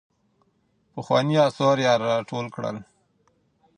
پخواني اثار يې راټول کړل.